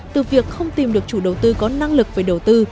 từ việc không tìm được chủ đầu tư có năng lực về đầu tư